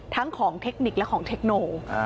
ทั้งของเทคนิคและของเทคโน